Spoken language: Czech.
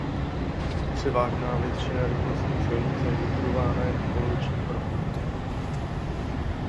Převážná většina rychlostní silnice je vybudována jen v polovičním profilu.